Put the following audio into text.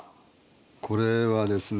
これはですね